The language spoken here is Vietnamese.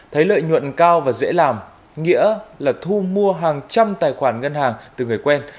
thấy lợi nhuận cao và dễ làm nghĩa là thu mua hàng trăm tài khoản ngân hàng từ người quen